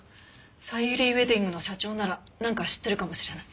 さゆりウェディングの社長ならなんか知ってるかもしれない。